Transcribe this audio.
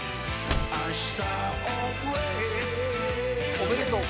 おめでとう。